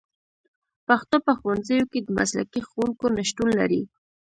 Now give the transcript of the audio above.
پښتو په ښوونځیو کې د مسلکي ښوونکو نشتون لري